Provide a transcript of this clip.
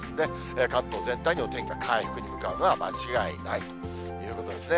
関東全体にお天気が回復に向かうのは間違いないということですね。